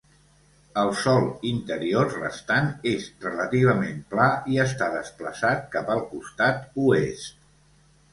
El sòl interior restant és relativament pla, i està desplaçat cap al costat oest.